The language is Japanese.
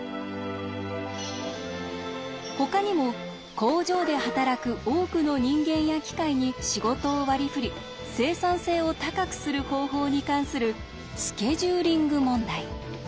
ほかにも工場で働く多くの人間や機械に仕事を割り振り生産性を高くする方法に関する「スケジューリング問題」。